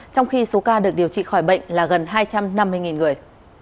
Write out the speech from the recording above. trong khi số ca được điều trị khỏi bệnh là gần hai trăm năm mươi người